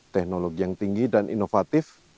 teknologi yang tinggi dan inovatif